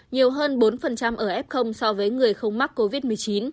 nhiều hơn bốn ở f so với người không mắc covid một mươi chín